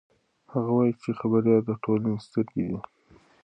هغه وایي چې خبریال د ټولنې سترګې دي.